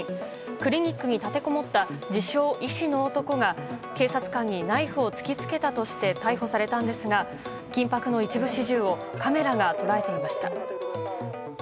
クリニックに立てこもった自称医師の男が警察官にナイフを突きつけたとして逮捕されたんですが緊迫の一部始終をカメラが捉えていました。